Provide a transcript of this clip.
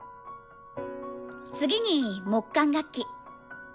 次に木管楽器。